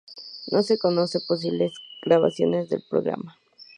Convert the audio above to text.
No se conocen posibles grabaciones del programa.